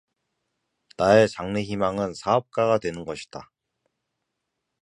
나의 장래희망은 사업가가 되는 것이다.